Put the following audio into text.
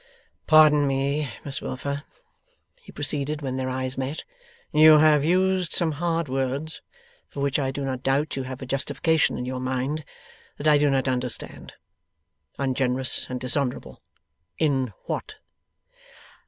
'Pardon me, Miss Wilfer,' he proceeded, when their eyes met; 'you have used some hard words, for which I do not doubt you have a justification in your mind, that I do not understand. Ungenerous and dishonourable. In what?